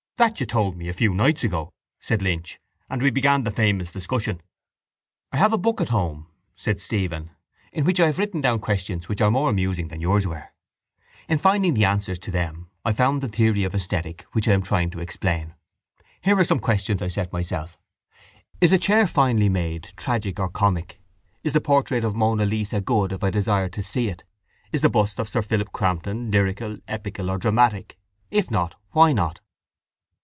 —That you told me a few nights ago, said Lynch, and we began the famous discussion. —I have a book at home, said Stephen, in which I have written down questions which are more amusing than yours were. In finding the answers to them I found the theory of esthetic which I am trying to explain. Here are some questions I set myself: _Is a chair finely made tragic or comic? Is the portrait of Mona Lisa good if I desire to see it? Is the bust of Sir Philip Crampton lyrical, epical or dramatic. If not, why not?